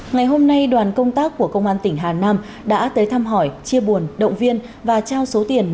ngày hôm nay đoàn công tác của công an tỉnh hà nam đã tới thăm hỏi chia buồn động viên và trao số tiền